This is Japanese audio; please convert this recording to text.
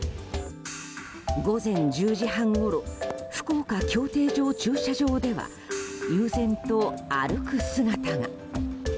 午前１０時半ごろ福岡競艇場駐車場では悠然と歩く姿が。